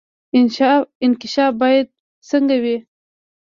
انکشاف باید څنګه وي؟